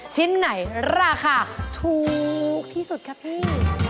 ชิ้นไหนราคาถูกที่สุดครับพี่